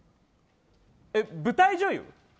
え、舞台女優？